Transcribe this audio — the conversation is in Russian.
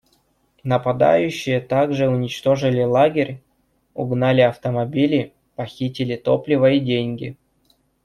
Нападающие также уничтожили лагерь, угнали автомобили, похитили топливо и деньги.